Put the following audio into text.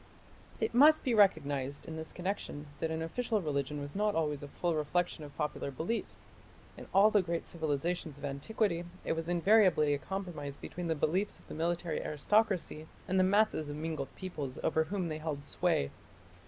It must be recognized, in this connection, that an official religion was not always a full reflection of popular beliefs. In all the great civilizations of antiquity it was invariably a compromise between the beliefs of the military aristocracy and the masses of mingled peoples over whom they held sway.